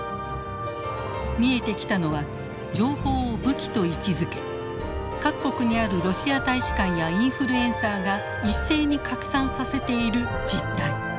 見えてきたのは情報を武器と位置づけ各国にあるロシア大使館やインフルエンサーが一斉に拡散させている実態。